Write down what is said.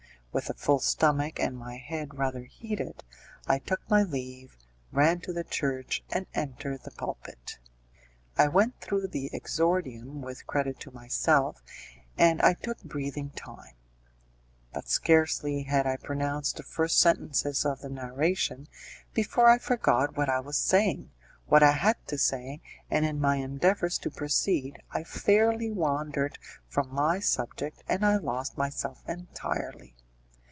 With a full stomach and my head rather heated, I took my leave, ran to the church, and entered the pulpit. I went through the exordium with credit to myself, and I took breathing time; but scarcely had I pronounced the first sentences of the narration, before I forgot what I was saying, what I had to say, and in my endeavours to proceed, I fairly wandered from my subject and I lost myself entirely.